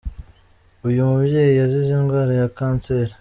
Uyu mubyeyi yazize indwara ya kanseri.